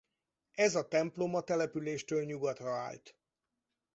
Ez a templom a településtől nyugatra állt.